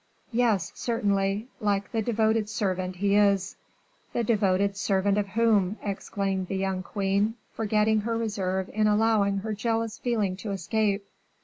"Yes, certainly; like the devoted servant he is." "The devoted servant of whom?" exclaimed the young queen, forgetting her reserve in allowing her jealous feeling to escape.